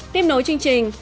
tiếp nối chương trình